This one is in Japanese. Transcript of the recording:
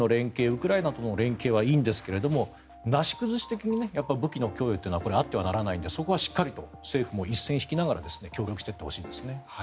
ウクライナとの連携はいいんですけれどもなし崩し的に武器の供与はあってはならないのでそこはしっかり政府も一線を引きながら協力していってほしいですね。